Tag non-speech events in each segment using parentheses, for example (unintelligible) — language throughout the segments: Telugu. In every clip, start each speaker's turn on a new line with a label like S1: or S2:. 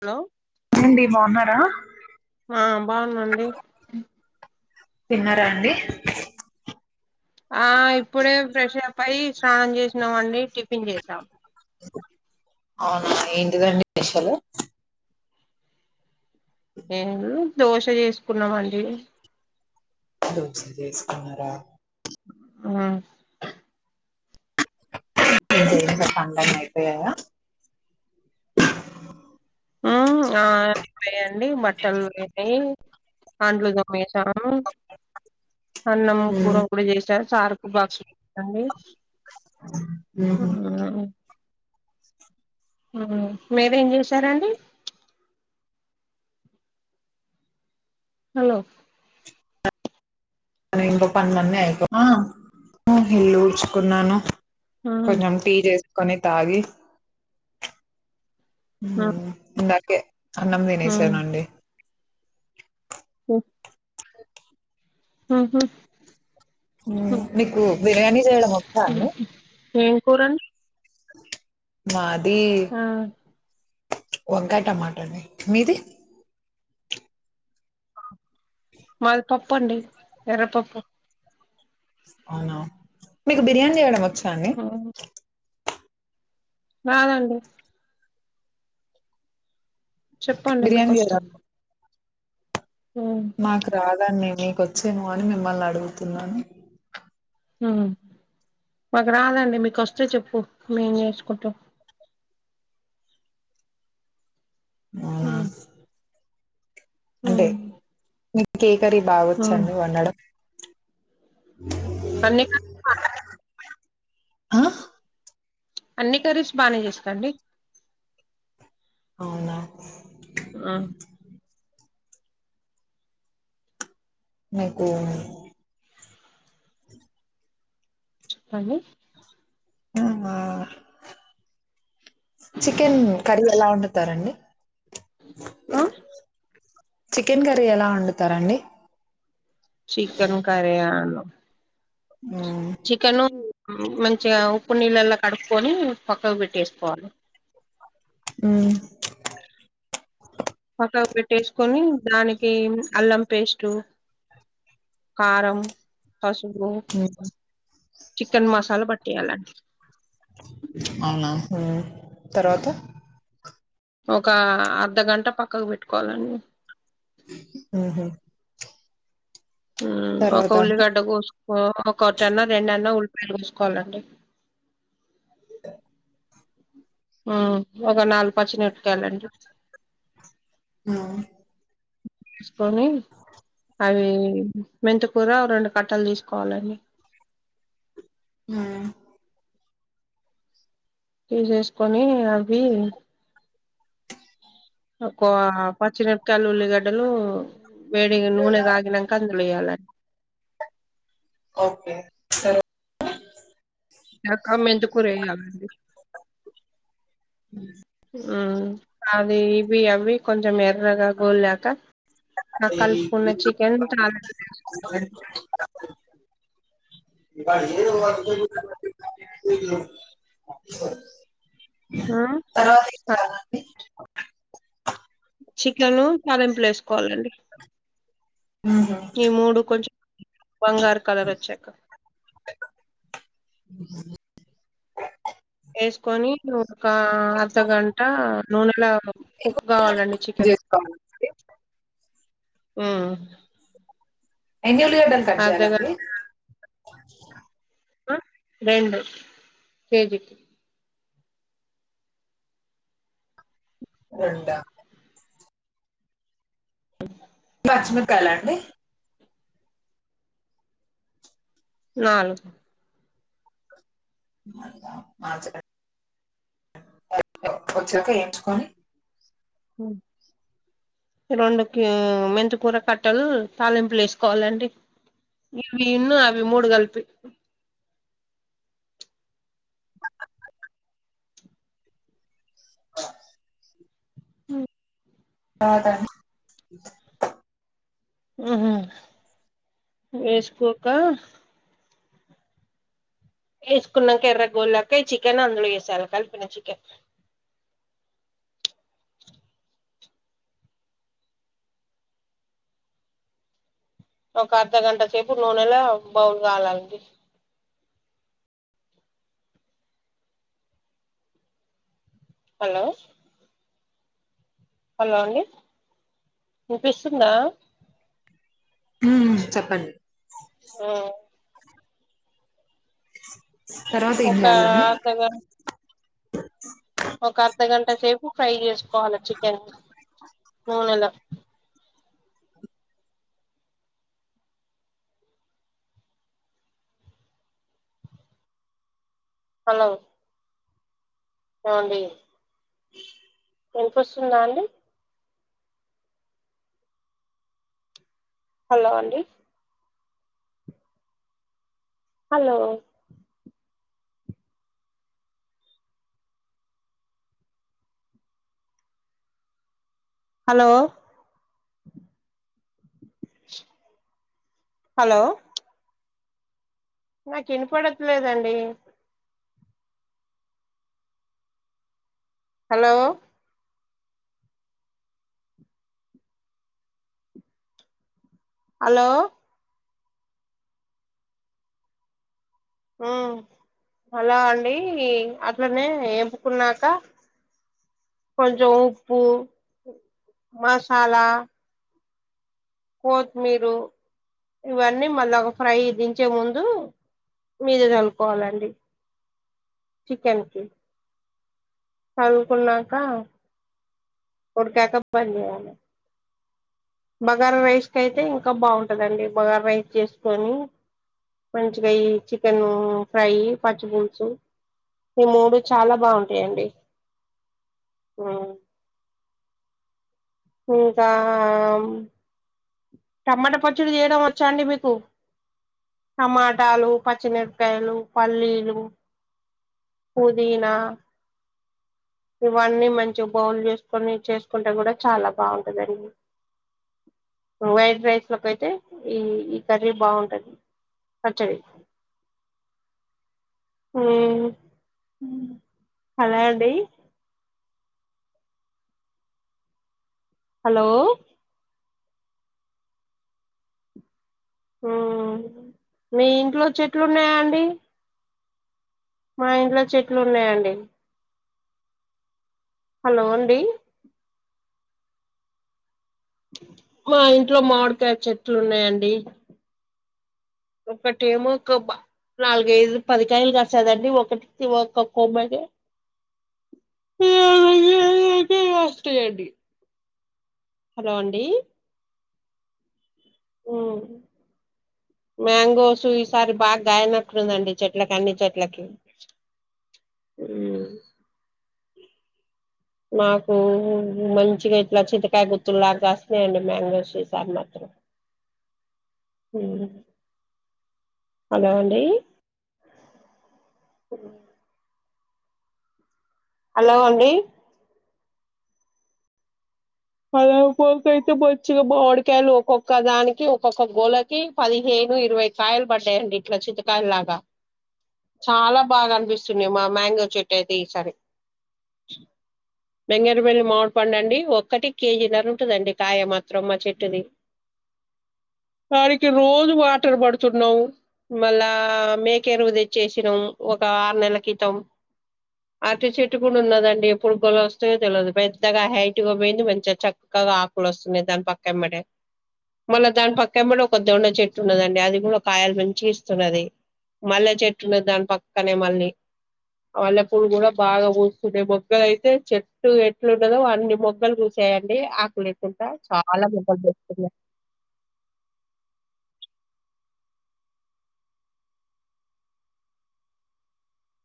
S1: హలో
S2: అండి బాగున్నారా
S1: ఆ బాగున్నాండి
S2: తిన్నారా అండి
S1: ఆ ఇప్పుడే ఫ్రెష్ అప్ అయి స్నానం చేసినాం అండి టిఫిన్ చేసాం
S2: అవునా ఏంటిదండి స్పెషలు
S1: నేను దోశ చేసుకున్నమండీ
S2: దోశ చేసుకున్నారా
S1: ఆ
S2: పనులన్నీ అయిపోయాయా
S1: హా ఆ అయిపోయాయండీ బట్టలు (unintelligible) అంట్లు తోమేసాం అన్నం కూర
S2: ఉమ్
S1: కూడా చేసా సార్ కి బాక్స్ అండి ఆ
S2: ఉహు
S1: ఆ మీరేం చేశారండీ హలో
S2: మన ఇంట్లో పనులన్నీ అయిపోవు ఇల్లు ఊడ్చుకున్నాను
S1: హ్మ్
S2: కొంచెం టీ చేసుకొని తాగి
S1: ఆ
S2: కే అన్నం తినేశానండి
S1: ఓ ఆహా
S2: ఉమ్
S1: ఓకే
S2: మీకు బిర్యానీ చేయడం వచ్చా
S1: మ్మ్ హ్మ్ ఏం కూరండి
S2: మా ద్
S1: ఆ
S2: వంకాయ్ టమాటా అండి మీది
S1: మాది పప్పు అండి ఎర్రపప్పు
S2: అవునా మీకు బిర్యానీ చేయడం వచ్చ
S1: హా రాదండి చెప్పండి మీకు
S2: బిర్యానీ
S1: వచ్చా
S2: చేయడం నాకు రాదండి నీకొచ్చేమో అని మిమ్మల్ని అడుగుతున్నాను
S1: అహా మాకు రాదండి మీకు వస్తే చెప్పు మేం నేర్చుకుంటాం
S2: అవునా
S1: ఉమ్ ఉమ్
S2: కే కర్రీ బావొచ్చు
S1: ఉమ్
S2: అండి వండడం
S1: అన్నీ (unintelligible)
S2: ఆ
S1: అన్ని కర్రీస్ బానే చేస్తాండి
S2: అవునా
S1: ఆ
S2: నీకు
S1: అని
S2: ఆమా చికెన్ కర్రీ ఎలా వండుతారండి
S1: ఆ
S2: చికెన్ కర్రీ ఎలా వండుతారండి
S1: చికెన్ కర్రీ ఆను
S2: ఉమ్
S1: మ్మ్ మంచిగా ఉప్పు నీళ్ళల్లో కడుపుకొని పక్కకు పెట్టేసుకోవాలి
S2: ఉమ్
S1: స్టవ్ పెట్టేసుకొని దానికి అల్లం పేస్టు కారం పసుపు
S2: హ్మ్.
S1: చికెన్ మసాలా పట్టీయాలండి
S2: అవునా హుమ్ తర్వాత
S1: ఒక అర్ధగంట పక్కకు పెట్టుకోవాలండి
S2: ఉమ్ హు
S1: ఉమ్ ఒక
S2: అండి?
S1: ఉల్లిగడ్డ కోసుకో ఒకొటన్న రెండన్న ఉల్ వేసుకోవాలండి హ ఒక నలుగు పచ్చిమిరప కాయలండి
S2: హ్మ్.
S1: కోనీ అవి మెంతకూర రెండు కట్టలు తీసుకోవాలండి
S2: ఆ
S1: తీసేసుకొని అవి ఒక పచ్చ మిరపకాయ ఉల్లిగడ్డలు వేడి నూనె కాగినక అందుల వెయ్యాలి
S2: ఓకే సరే
S1: నాక మెంతి కూర వెయ్యాలండి
S2: ఉ
S1: ఉ అది ఇవి అవి కొంచెం ఎర్రగా గోలక అ కలుపుకున్న చికెన్ (unintelligible)
S2: (inaudible) తర్వాత ఏం
S1: ఆ
S2: చేయాలండి
S1: చికెన్ తాలింపుల వేసుకోవాలండి ఈ
S2: కట్
S1: మూడు కొంచెం బంగారు కోలరొచాక వేసుకొని ఒక అర్ధగంట నూనెలా కుక్ కావాలండి చికెన్
S2: చేసుకోవాలండి
S1: యు
S2: ఎన్ని ఉల్లిగడ్డలు కట్ చేయ్యాలండి
S1: రెండు కేజికి
S2: రొండ
S1: అ
S2: పచ్చిమిరపకాయల అండి
S1: నాలుగు
S2: వచ్చాక ఎంచుకొని
S1: ఆ రెండుకి మెంత కూర కట్టాలు తాలింపులు వేసుకోవాలండి ఇవి ఉన్న అవి మూడు గల్పి హ
S2: (unintelligible)
S1: వేసుకోక వేసుకున్నాం ఎర్ర గోలక చికెన్ అందులో వేసాలి కలిపిన చికెన్ ఒక అర్ధ గంట సేపు నూనెలా బౌల్ కాలాలండి హలో హలో అండి ఇనిపిస్తుందా
S2: హ చెప్పండి
S1: ఆ
S2: తర్వాత ఏం
S1: ఒక
S2: చేయాలండి
S1: అర్ధగం ఒక అర్ధగంట సేపు ఫ్రై చేసుకోవాల చికెన్ నూనెల హలో అండి వినిపిస్తుందా అండి హలో అండి హలో హలో హలో నాకు ఇనపడట్లేదండి హలో హలో హ్మ్ అలా అండి అట్లనే ఎపుకున్నాక కొంచం ఉప్పు మసాలా కొత్మీరు ఇవన్నీ మళ్ళా ఒక ఫ్రై దించే ముందు మీదే చనుకోవాలండి (unintelligible) చికెన్ కి కదుకున్నాక కొడుకాక బంజేయలి (unintelligible) బగారా రైస్ క అయితే ఇంకా బాగుంటదండి బగార రైస్ జెసుకొని మంచిగయి చికెను ఫ్రై పచ్చి పులుసు ఈ మూడు చాలా బాగుంటయండి హ్మ్ ఇంకా టమాటా పచ్చడి చేయడం వచ్చా అండి మీకు టమాటాలు పచ్చిమిరపకాయలు పల్లీలు పుదీనా ఇవన్నీ మంచి బౌల్ జెసుకొని చేసుకుంటే గుడా చాలా బాగుంటది అండి వైడ్ రైస్ లోక అయితే ఈ ఈ కర్రీ బాగుంటది సచ్చడి (unintelligible) హ్మ్ హలది (unintelligible) హలో హ్మ్ మీ ఇంట్లో చెట్లున్నాయా అండి మా ఇంట్లో చెట్లు ఉన్నాయండి హలో అండి మా ఇంట్లో మామిడికాయ చెట్లు ఉన్నాయండి ఒక టేమ కొబ్బ (unintelligible) నాలుగైదు పదికాయలు కస్తాదండి ఒకటికి ఒక కొమ్మకి (unintelligible) అండి హలో అండి హ్మ్ మ్యాంగోస్ ఈసారి బాగా గాయన (unintelligible) క్కడుందండి చెట్లకి అన్ని చెట్లకి (unintelligible) మాకు మంచిగా ఇట్లా చితికాయ గుర్తులు లాగా గాస్తున్నాయండి మ్యాన్గోసిసరి మాత్రం (unintelligible) హ్మ్ హలో అండి హలో అండి పద పలక అయితే (unintelligible) బచ్చిగాడికాయలు ఒక్కొక్క దానికి ఒక్కొక్క గోళకి పదిహేను ఇగో ఇరవై కాయలు పడ్డాయండి ఇట్లా చింతకాయల్ లాగా చాలా బాగా అనిపిస్తుంన్నాయి మా మ్యాంగో చెట్టు అయితే ఈసారి బంగారుపెల్లి మామిడి పండు అండి ఒక్కటి కేజీ నర ఉంటందండి కాయ మాత్రం మా చెట్టుది వారికి రోజు వాటర్ పడుతున్నవు మళ్ళా మేకేరువు తెచ్చేసినం ఒక ఆరు నెలల క్రితం అటు చెట్టు కూడా ఉన్నదండి ఎప్పుడు గొల వస్తే తెలియదు పెద్దగా హైట్గా పోయింది మం (unintelligible) చక్కగా ఆకులు వస్తున్నాయి దాని పక్కమ్మడే మళ్ళ దాని పక్కెంఎంబడే కూడా ఒక దోండ చెట్టు ఉన్నదండి అది కూడా కాయలు మంచిగ ఇస్తున్నది మళ్ళ చెట్టు ఉంన్నది దాని పక్కనే మళ్ళీ అల్లప్పుడు గుడా బాగా కుసుండె మొగ్గల అయితే చెట్టు ఎట్లుండదో అన్ని మొగ్గలు కూసు చేయండి ఆకు లేకుంట చాలా ముద్దలు వెటుకున్న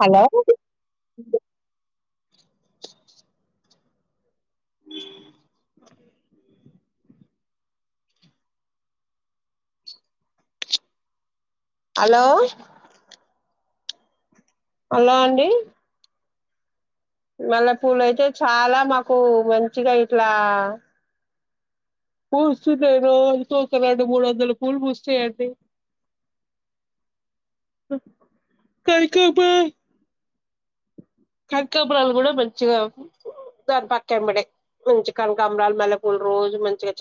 S1: హలో అ హలో హలో అండి మల్లె పూలు అయితే చాలా మాకు మంచిగా ఇట్లా పూసు తున్నాయి రోజుకు ఒక రెండు మూడు వందలు పూలు పూస్తాయండి కనుకంబ కనకంబ్రాలు కూడా మంచిగా దాన్ పక్క ఎంబడే మంచి కనకంబ్రాలు మల్లె పూలు రోజు మంచిగా చాక్